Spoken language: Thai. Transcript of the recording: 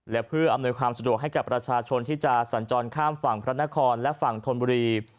และเพื่ออำนวยความสะดวกให้กับประชาชนที่จะสัญจรข้ามฝั่งพระนครและฝั่งธนบุรี